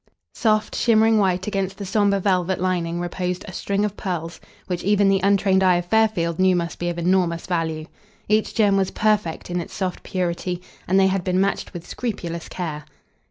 Soft, shimmering white against the sombre velvet lining reposed a string of pearls which even the untrained eye of Fairfield knew must be of enormous value. Each gem was perfect in its soft purity, and they had been matched with scrupulous care.